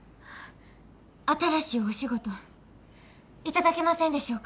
新しいお仕事頂けませんでしょうか。